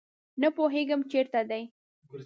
نه پوهیږم چیرته دي